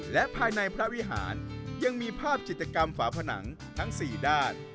และภายในพระวิหารยังมีภาพจิตกรรมฝาผนังทั้ง๔ด้าน